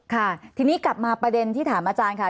ค่ะทีนี้กลับมาประเด็นที่ถามอาจารย์ค่ะ